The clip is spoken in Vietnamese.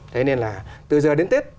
thế nên là từ giờ đến tết